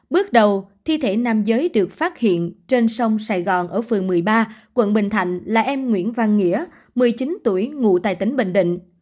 bước đầu thi thể nam giới được phát hiện trên sông sài gòn ở phường một mươi ba quận bình thạnh là em nguyễn văn nghĩa một mươi chín tuổi ngụ tại tỉnh bình định